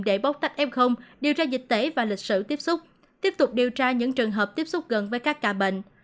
để bóc tách f điều tra dịch tễ và lịch sử tiếp xúc tiếp tục điều tra những trường hợp tiếp xúc gần với các ca bệnh